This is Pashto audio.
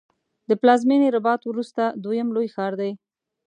د پلازمېنې رباط وروسته دویم لوی ښار دی.